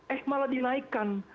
eh malah dinaikkan